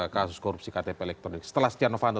kasus korupsi ktp elektronik setelah stiano fanto